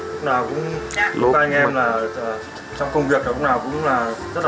lúc nào cũng lúc anh em trong công việc lúc nào cũng rất là thuận lợi